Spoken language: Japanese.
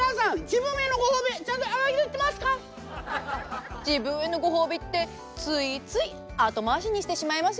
自分へのご褒美ってついつい後回しにしてしまいますよね。